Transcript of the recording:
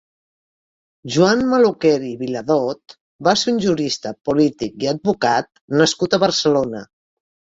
Joan Maluquer i Viladot va ser un jurista, polític i advocat nascut a Barcelona.